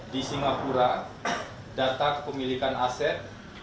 di singapura data kepemilikan aset